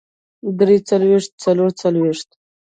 درې څلوېښت څلور څلوېښت